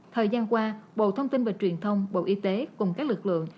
thời gian qua bộ thông tin và truyền thông bộ y tế cùng các lực lượng